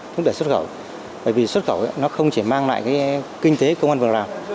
thúc đẩy xuất khẩu bởi vì xuất khẩu nó không chỉ mang lại kinh tế công an vừa nào